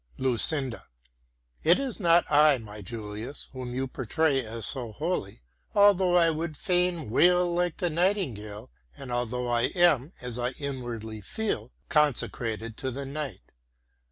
LUCINDA It is not I, my Julius, whom you portray as so holy; although I would fain wail like the nightingale, and although I am, as I inwardly feel, consecrated to the night.